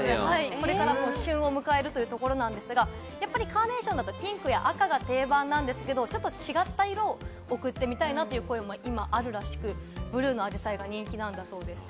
これから旬を迎えるというところですが、カーネーションだと赤やピンクが定番ですが、ちょっと違った色を贈ってみたいという声も今あるらしく、ブルーのアジサイが人気なんだそうです。